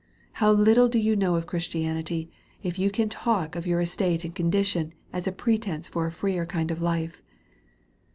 how little do you know of Christianity, if you can yet talk of your estate and condition as a pre tence for a freer kind of life